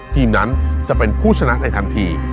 ทีมนั้นจะเป็นผู้ชนะในทันที